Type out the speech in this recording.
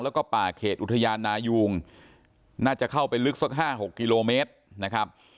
แล้วก็ป่าเขตอุทยานนายุงน่าจะเข้าไปลึกสัก๕๖กิโลเมตรนะครับ